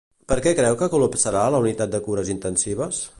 Per què creu que col·lapsarà la unitat de cures intensives?